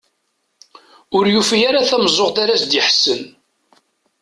Ur yufi ara tameẓẓuɣt ara as-d-iḥessen.